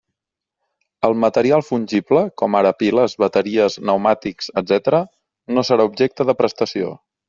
El material fungible, com ara piles, bateries, pneumàtics, etcètera, no serà objecte de prestació.